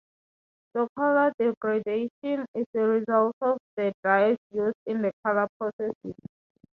The color degradation is the result of the dyes used in the color processes.